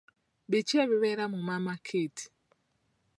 Biki ebibeera mu mama kit?